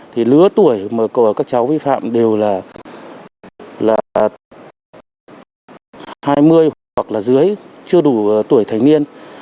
thì lứa tuổi của các cháu vi phạm đều là hai mươi hoặc là dưới chưa đủ tuổi thành niên